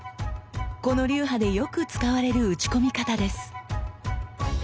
この流派でよく使われる打ち込み方です。